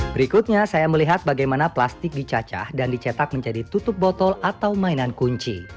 berikutnya saya melihat bagaimana plastik dicacah dan dicetak menjadi tutup botol atau mainan kunci